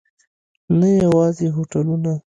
نه یوازې هوټلونه.